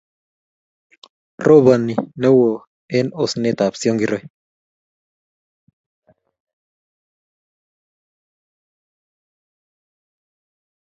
robani newon kila oset ab siongiroi